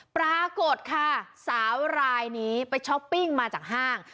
ปรากฏค่ะสาวรายนี้ไปช้อปปิ้งมาจากห้าง